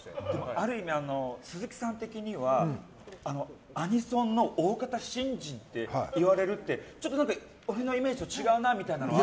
ある意味、鈴木さん的にはアニソンの大型新人って言われるってちょっと俺のイメージと違うなみたいなことは。